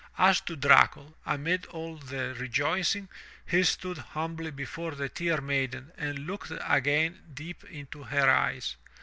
As to Dracul, amid all the rejoicing, he stood humbly before the Tear Maiden and looked again deep into her eyes.